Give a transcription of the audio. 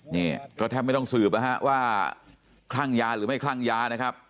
นี่ก็แทบไม่ต้องสืบนะฮะว่าคลั่งยาหรือไม่คลั่งยานะครับ